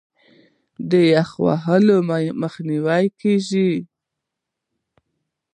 د یخ وهلو مخنیوی کیږي.